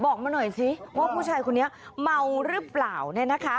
บอกมาหน่อยสิว่าผู้ชายคนนี้เมาหรือเปล่าเนี่ยนะคะ